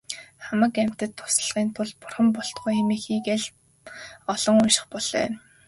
Хамаг амьтдад туслахын тулд бурхан болтугай хэмээхийг аль олон унших болой.